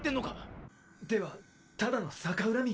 ではただの逆恨み？